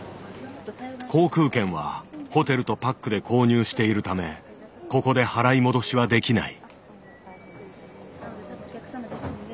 航空券はホテルとパックで購入しているためここで払い戻しはできない。